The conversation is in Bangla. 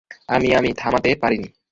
আমি-আমি থামাতে পারিনি।